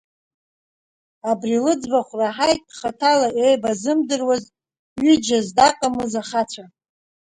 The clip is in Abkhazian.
Абри лыӡбахә раҳаит, хаҭала еибазымдыруаз ҩыџьа здаҟамыз ахацәа.